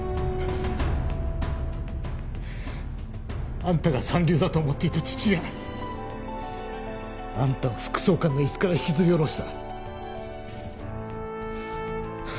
あんたが三流だと思っていた父があんたを副総監の椅子から引きずり下ろした。